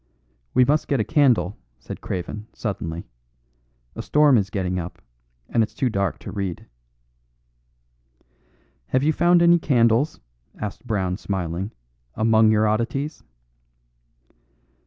"We must get a candle," said Craven, suddenly. "A storm is getting up, and it's too dark to read." "Have you found any candles," asked Brown smiling, "among your oddities?"